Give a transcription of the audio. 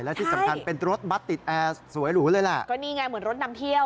และที่สำคัญเป็นรถบัตรติดแอร์สวยหรูเลยแหละก็นี่ไงเหมือนรถนำเที่ยว